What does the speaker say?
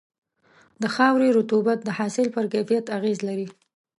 د خاورې رطوبت د حاصل پر کیفیت اغېز لري.